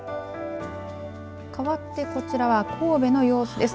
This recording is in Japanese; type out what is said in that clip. かわってこちらは神戸の様子です。